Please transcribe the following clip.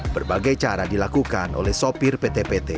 berbagai cara dilakukan oleh sopir pt pt